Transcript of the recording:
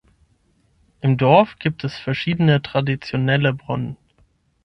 Im Dorf gibt es verschiedene traditionelle Brunnen.